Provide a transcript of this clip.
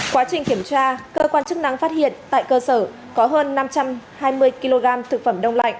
quá trình kiểm tra cơ quan chức năng phát hiện tại cơ sở có hơn năm trăm hai mươi kg thực phẩm đông lạnh